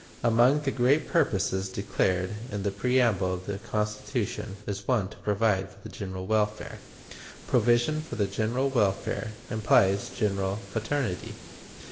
Among the great purposes declared in the preamble of the Constitution is one to provide for the general welfare. Provision for the general welfare implies general fraternity.